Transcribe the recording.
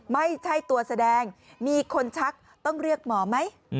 ไม่ใช่ตัวแสดงมีคนชักต้องเรียกหมอไหม